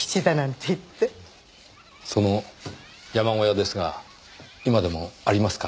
その山小屋ですが今でもありますか？